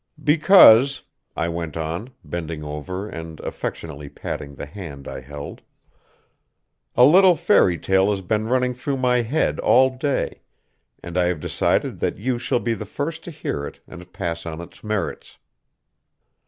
"Because," I went on, bending over and affectionately patting the hand I held, "a little fairy tale has been running through my head all day, and I have decided that you shall be the first to hear it and pass on its merits.